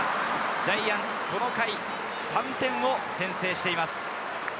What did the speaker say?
ジャイアンツ、この回３点を先制しています。